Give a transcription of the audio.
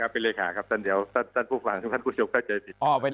เป็นเลขาครับท่านเดียวท่านผู้ฟังท่านผู้ชม